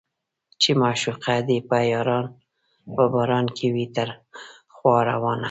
چې معشوقه دې په باران کې وي تر خوا روانه